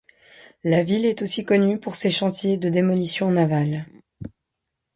La ville est aussi connue pour ses chantiers de démolition navale.